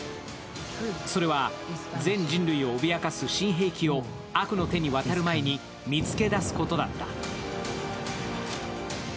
それは全人類をおびやかす新兵器を悪の手に渡る前に見つけ出すことだった。